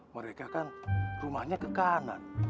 mereka kan rumahnya ke kanan